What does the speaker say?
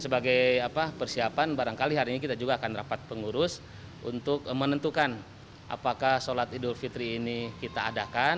sebagai persiapan barangkali hari ini kita juga akan rapat pengurus untuk menentukan apakah sholat idul fitri ini kita adakan